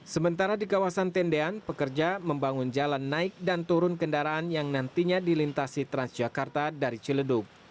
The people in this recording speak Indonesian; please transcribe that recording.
sementara di kawasan tendean pekerja membangun jalan naik dan turun kendaraan yang nantinya dilintasi transjakarta dari ciledug